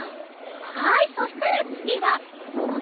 はいそしたらつぎはこのね